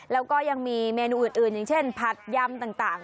แล้วก็ยังมีเมนูอื่นอย่างเช่นผัดยำต่าง